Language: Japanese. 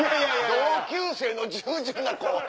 同級生の従順な後輩。